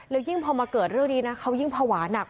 แล้วยิ่งพอมาเกิดเร็วดีนะเขายิ่งผวาหนัก